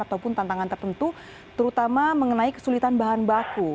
ataupun tantangan tertentu terutama mengenai kesulitan bahan baku